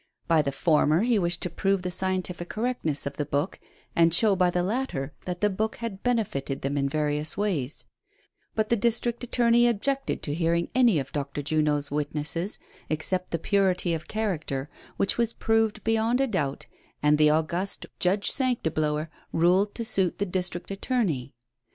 By the former he wished to prove the scientific correctness of the book, and show by the latter that the book had benefited tliem in various Avnys ; but the district attorney objected to hearing any of Dr. Juno's Avitnesses except for purity of character, which was proved beyond a doubt, and the august Judge Sanctiblower ruled to suit the district attorney.